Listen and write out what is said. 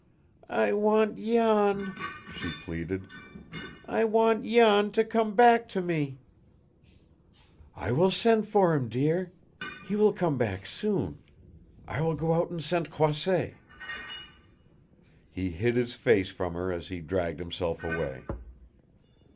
"I want Jan," she pleaded. "I want Jan to come back to me!" "I will send for him, dear. He will come back soon. I will go out and send Croisset." He hid his face from her as he dragged himself away.